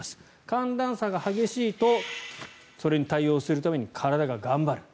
寒暖差が激しいとそれに対応するために体が頑張る。